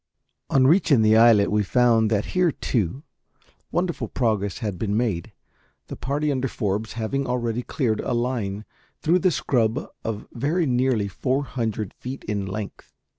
On reaching the islet we found that here, too, wonderful progress had been made, the party under Forbes having already cleared a line through the scrub of very nearly four hundred feet in length.